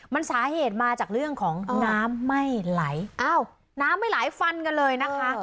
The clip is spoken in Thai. มันสาเหตุมาจากเรื่องของน้ำไม่ไหลอ้าวน้ำไม่ไหลฟันกันเลยนะคะ